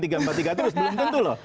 terus belum tentu loh